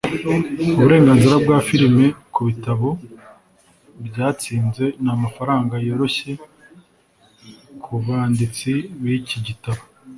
Uburenganzira bwa firime kubitabo byatsinze ni amafaranga yoroshye kubanditsi biki gitabo